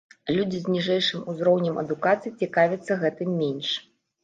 Людзі з ніжэйшым узроўнем адукацыі цікавяцца гэтым менш.